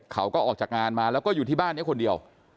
เขาก็ออกจากงานมาแล้วก็อยู่ที่บ้านนี้คนเดียว